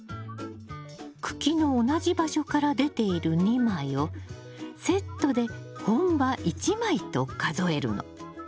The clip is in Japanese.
茎の同じ場所から出ている２枚をセットで本葉１枚と数えるの。